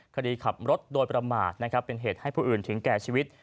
คดีขับรถโดยประมาทเป็นเหตุให้ผู้อื่นถึงแก่ชีวิต